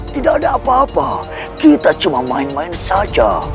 tidak ada apa apa kita cuma main main saja